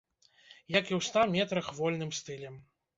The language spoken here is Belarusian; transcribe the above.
Як і ў ста метрах вольным стылем.